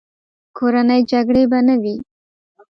کورنۍ جګړې به نه وې.